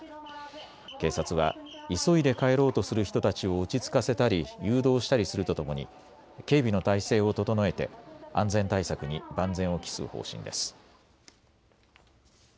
警察は急いで帰ろうとする人たちを落ち着かせたり誘導したりするとともに警備の態勢を整えて安全対策に万全を期す方針です。